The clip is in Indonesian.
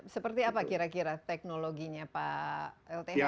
seperti apa kira kira teknologinya pak lth